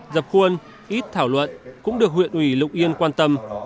dập khuôn ít thảo luận cũng được huyện ủy lục yên quan tâm